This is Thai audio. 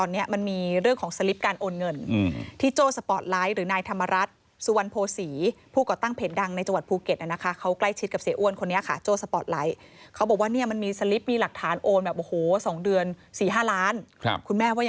แม่จะเอาไปซื้ออะไรแม่ก็เอาไปซื้อเลย